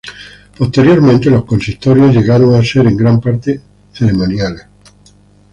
Posteriormente, los consistorios llegaron a ser en gran parte ceremoniales.